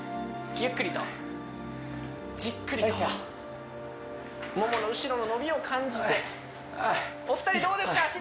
ゆっくりとじっくりとももの後ろの伸びを感じてお二人どうですか？